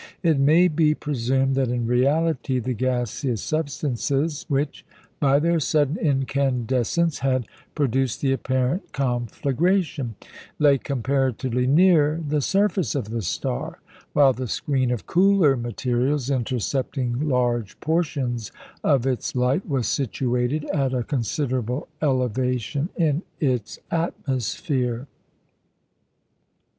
It may be presumed that in reality the gaseous substances, which, by their sudden incandescence, had produced the apparent conflagration, lay comparatively near the surface of the star, while the screen of cooler materials intercepting large portions of its light was situated at a considerable elevation in its atmosphere.